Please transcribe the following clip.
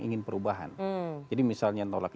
ingin perubahan jadi misalnya